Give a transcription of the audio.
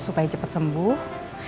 supaya cepat sembuh